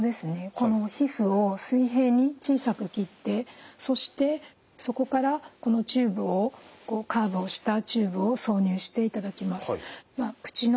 この皮膚を水平に小さく切ってそしてそこからこのチューブをこうカーブをしたチューブを挿入していただきます。